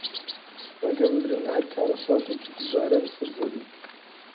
ڕێگەبگرن لە هەر کارەساتێکی دووبارە لەسەر زەوی